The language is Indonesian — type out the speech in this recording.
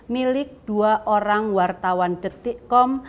milik dua orang wartawan detik kom